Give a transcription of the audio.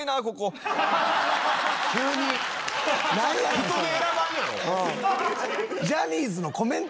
人で選ばんやろう。